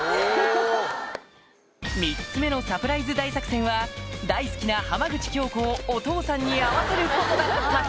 ３つ目のサプライズ大作戦は大好きな浜口京子をお父さんに会わせることだった